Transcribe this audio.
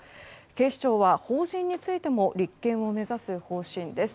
警視庁は法人についても立件を目指す方針です。